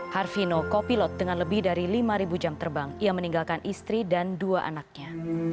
harvino kopilot dengan lebih dari lima jam terbang ia meninggalkan istri dan dua anaknya